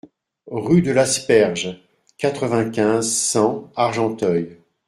Rue de l'Asperge, quatre-vingt-quinze, cent Argenteuil